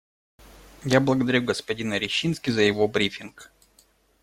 Я благодарю господина Рищински за его брифинг.